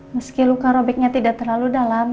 meski luka robiknya tidak terlalu dalam